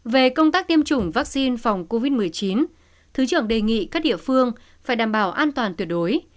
về công tác tiêm chủng vaccine phòng covid một mươi chín thứ trưởng đề nghị các địa phương phải đảm bảo an toàn tuyệt đối